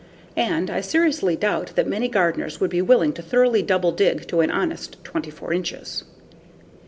And I seriously doubt that many gardeners would be willing to thoroughly double dig to an honest 24 inches.